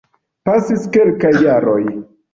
Pasis kelkaj jaroj.